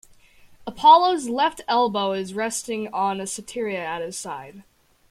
Apollo's left elbow is resting on a cithara at his side.